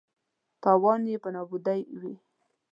تاوان یې په نابودۍ وي.